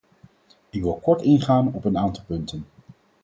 Ik wil kort ingaan op een aantal punten.